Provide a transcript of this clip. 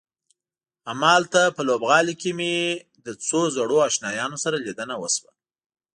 هماغلته په لوبغالي کې مې له څو زړو آشنایانو سره لیدنه وشوه.